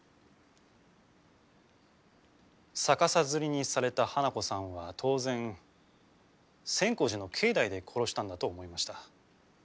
逆さづりにされた花子さんは当然千光寺の境内で殺したんだと思いました。